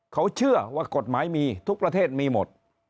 เขาเชื่อว่ากฎหมายมีทุกประเทศมีหมด